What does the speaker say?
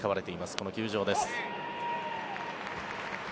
この球場です。